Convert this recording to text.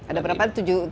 ada berapa tujuh ribu